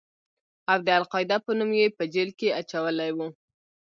او د القاعده په نوم يې په جېل کښې اچولى و.